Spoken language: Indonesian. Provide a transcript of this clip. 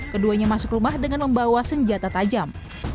keduanya masuk rumah dengan membawa senjata tajam